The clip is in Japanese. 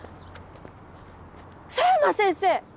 佐山先生！